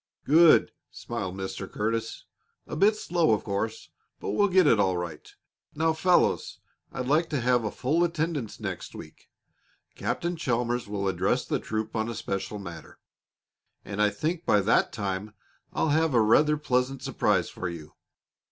"Good!" smiled Mr. Curtis. "A bit slow, of course, but we'll get it all right. Now, fellows, I'd like to have a full attendance next week. Captain Chalmers will address the troop on a special matter, and I think by that time I'll have a rather pleasant surprise for you.